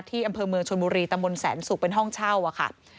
ที่อำเภอเมืองชนมุรีตะบนแสนสูบเป็นห้องเช่าอ่ะค่ะ